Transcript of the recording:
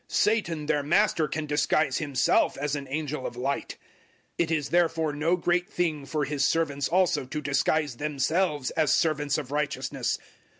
Satan, their master, can disguise himself as an angel of light. 011:015 It is therefore no great thing for his servants also to disguise themselves as servants of righteousness.